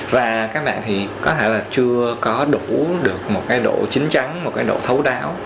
và các bạn thì có thể là chưa có đủ được một cái độ chính trắng một cái độ thấu đáo